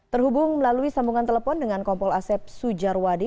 terhubung melalui sambungan telepon dengan kompol asep sujarwadi